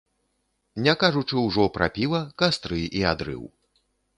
Не кажучы ўжо пра піва, кастры і адрыў.